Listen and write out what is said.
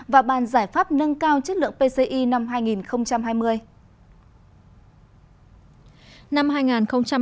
và bàn giải pháp nâng cao chất lượng pci năm hai nghìn hai mươi